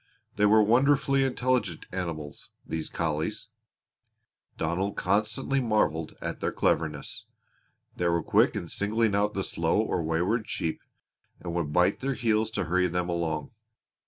They were wonderfully intelligent animals these collies. Donald constantly marveled at their cleverness. They were quick in singling out the slow or wayward sheep and would bite their heels to hurry them along.